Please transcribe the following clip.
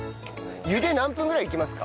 茹で何分ぐらいいきますか？